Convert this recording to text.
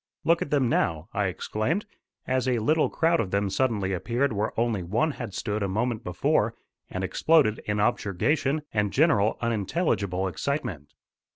"Look at them now," I exclaimed, as a little crowd of them suddenly appeared where only one had stood a moment before, and exploded in objurgation and general unintelligible excitement.